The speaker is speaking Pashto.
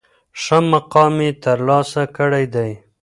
ښه مقام یې تر لاسه کړی دی.